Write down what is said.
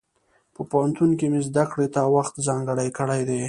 په پوهنتون کې مې زده کړې ته وخت ځانګړی کړی دی.